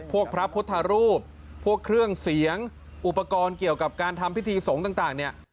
พระพุทธรูปพวกเครื่องเสียงอุปกรณ์เกี่ยวกับการทำพิธีสงฆ์ต่างเนี่ย